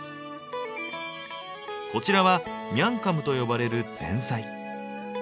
こちらは「ミャンカム」と呼ばれる前菜。